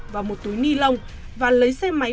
và một túi ni lông và lấy xe máy